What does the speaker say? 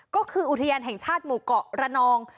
ก็คืออุทยานแห่งชาติหมู่เกาะระนอง